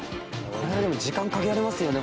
これでも時間限られますよね